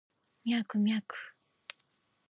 ミャクミャク